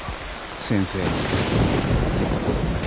先生。